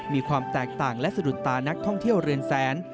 มีความแตกต่างและสะดุดตานักท่องเที่ยวเรือนแสน